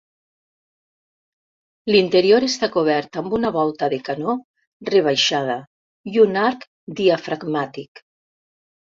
L'interior està cobert amb una volta de canó rebaixada i un arc diafragmàtic.